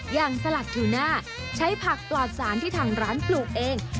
สลักทูน่าใช้ผักปลอดสารที่ทางร้านปลูกเอง